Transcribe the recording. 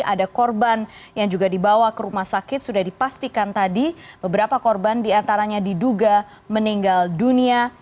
ada korban yang juga dibawa ke rumah sakit sudah dipastikan tadi beberapa korban diantaranya diduga meninggal dunia